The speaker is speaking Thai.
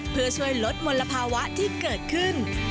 เพื่อช่วยลดมลภาวะที่เกิดขึ้น